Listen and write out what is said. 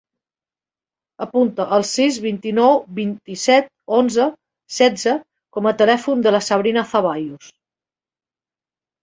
Apunta el sis, vint-i-nou, vint-i-set, onze, setze com a telèfon de la Sabrina Zaballos.